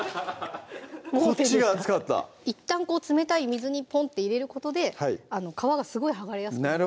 こっちが熱かったいったんこう冷たい水にポンって入れることで皮がすごい剥がれやすくなります